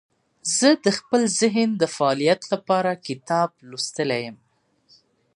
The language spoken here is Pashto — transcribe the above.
زه د خپل ذهن د فعالیت لپاره کتاب لوستلی یم.